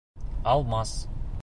Алмас.